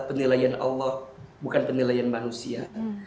penilaian allah bukan penilaian manusia